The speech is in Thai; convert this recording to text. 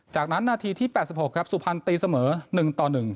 จากนั้นนาทีที่แปดสิบหกครับสุภัณฑ์ตีเสมอหนึ่งต่อหนึ่ง